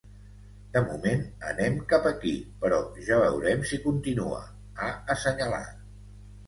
De moment anem cap aquí, però ja veurem si continua, ha assenyalat.